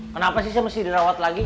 kenapa sih saya mesti dirawat lagi